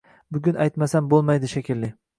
Bugun aytmasam bo‘lmaydi shekilli